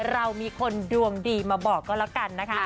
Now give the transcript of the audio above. เรามีคนดวงดีมาบอกก็แล้วกันนะคะ